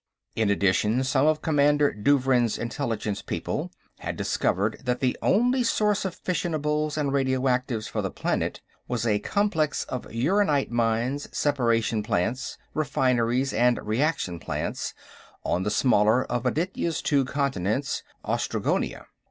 In addition, some of Commander Douvrin's intelligence people had discovered that the only source of fissionables and radioactives for the planet was a complex of uranite mines, separation plants, refineries and reaction plants on the smaller of Aditya's two continents, Austragonia.